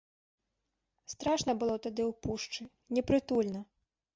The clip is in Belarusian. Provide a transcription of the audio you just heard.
Страшна было тады ў пушчы, непрытульна.